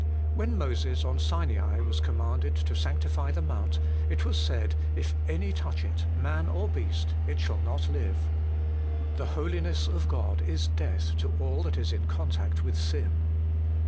When Moses on Sinai was commanded to sanctify the Mount, it was said, ' If any touch it, man or beast, it shall not live.' The Holiness of God is death to all that is in contact with sin.